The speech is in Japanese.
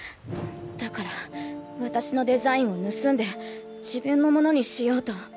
だから私のデザインを盗んで自分のものにしようと。